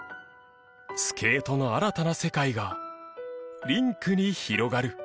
スケートの新たな世界がリンクに広がる。